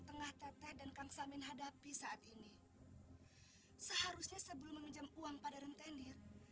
tengah teteh dan kaksamin hadapi saat ini seharusnya sebelum menjam uang pada rentenir